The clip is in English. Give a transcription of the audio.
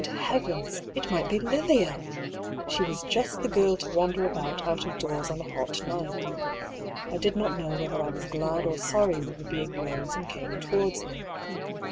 Good heavens! It might be Lilia! She was just the girl to wander about out of doors on a hot night. I did not know whether I was glad or sorry when the being rose and came towards me.